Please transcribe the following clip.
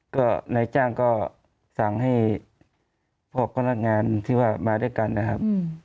ก็นายจ้างก็สั่งให้พวกพนักงานที่ว่ามาด้วยกันนะครับ